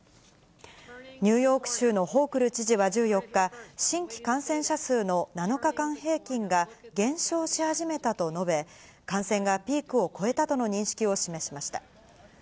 ニューヨーク州のホークル知事は１４日、新規感染者数の７日間平均が減少し始めたと述べ、感染がピークを越えたとの認識を示しました。